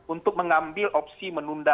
untuk mengambil opsi menunda